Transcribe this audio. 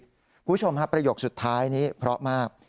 คุณผู้ชมครับประโยคสุดท้ายนี้เพราะมาก